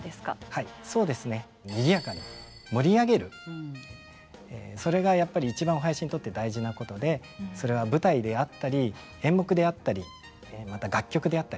はいそうですね。それがやっぱり一番お囃子にとって大事なことでそれは舞台であったり演目であったりまた楽曲であったり。